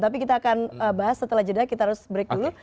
tapi kita akan bahas setelah jeda kita harus break dulu